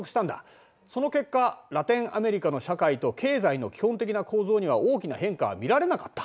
その結果ラテンアメリカの社会と経済の基本的な構造には大きな変化は見られなかった。